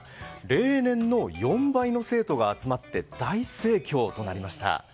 例年の４倍の生徒が集まって、大盛況となりました。